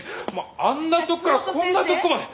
あんなとこからこんなとこまで。